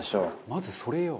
「まずそれよ」